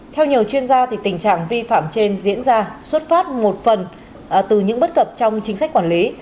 theo nhiều chuyên gia tình trạng vi phạm trên diễn ra xuất phát một phần từ những bất cập trong chính sách quản lý